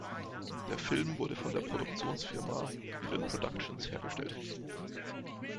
Der Film wurde von der Produktionsfirma Elan Productions hergestellt.